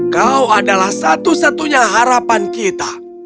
kau adalah satu satunya harapan kita